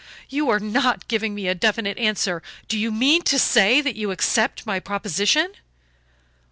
"You are not giving me a definite answer. Do you mean to say that you accept my proposition?"